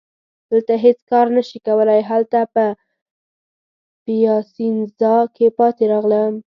دلته هیڅ کار نه شي کولای، هلته په پیاسینزا کي پاتې راغلم.